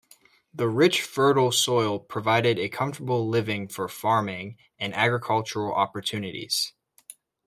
The rich, fertile soil provided a comfortable living for farming and agricultural opportunities.